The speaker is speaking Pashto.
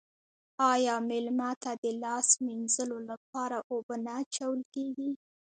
آیا میلمه ته د لاس مینځلو لپاره اوبه نه اچول کیږي؟